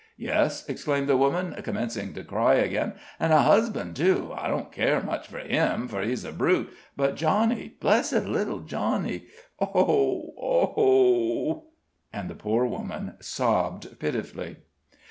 "Yes!" exclaimed the woman, commencing to cry again; "an' a husban', too. I don't care much for him, for he's a brute, but Johnny blessed little Johnny oh, oh!" And the poor woman sobbed pitifully.